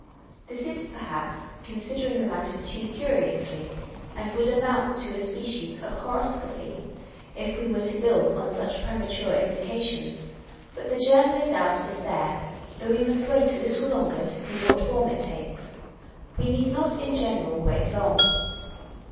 This is, perhaps, considering the matter too curiously, and would amount to a species of horoscopy, if we were to build on such, premature indications ; but the germ no doubt is there, though we must wait a little longer to see what form it On Personal Character. 323 takes. We need not in general wait long.